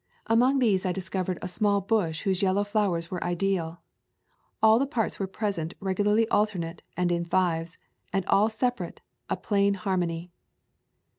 Among these I discovered a small bush whose yellow flowers were ideal; all the parts were present regularly alternate and in fives, and all sepa rate, a plain harmony.